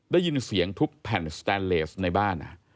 ได้ยินเสียงทุบแผ่นสแตนเลสในบ้าน